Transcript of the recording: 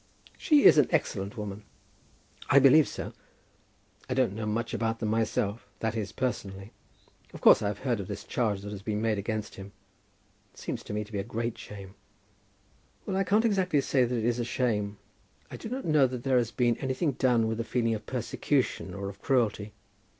"She is an excellent woman." "I believe so. I don't know much about them myself, that is, personally. Of course I have heard of this charge that has been made against him. It seems to me to be a great shame." "Well, I can't exactly say that it is a shame. I do not know that there has been anything done with a feeling of persecution or of cruelty.